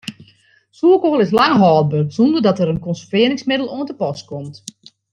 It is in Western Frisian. Soerkoal is lang hâldber sonder dat der in konservearringsmiddel oan te pas komt.